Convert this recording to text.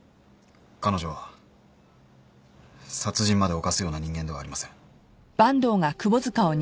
彼女は殺人まで犯すような人間ではありません。